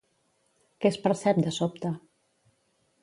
Què es percep de sobte?